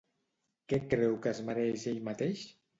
Què creu que es mereix ell mateix?